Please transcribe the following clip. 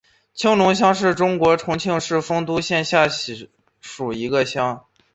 青龙乡是中国重庆市丰都县下辖的一个乡。